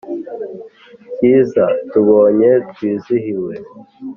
Cyiza tubonye twizihiwe